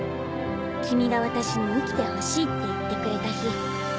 君が私に生きてほしいって言ってくれた日。